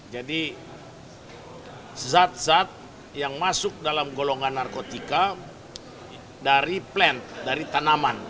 jadi zat zat yang masuk dalam golongan narkotika dari plant dari tanaman